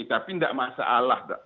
tapi tidak masalah